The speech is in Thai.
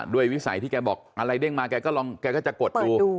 ด้วยวิสัยที่แกบอกอะไรเด้งมาแกก็จะกดดู